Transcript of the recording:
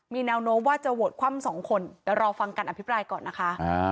มีแนวโน้มว่าจะโหวตคว่ำสองคนเดี๋ยวรอฟังการอภิปรายก่อนนะคะ